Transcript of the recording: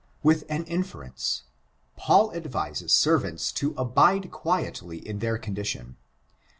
With an inference. Paul advises servants to abide quietly in their condition.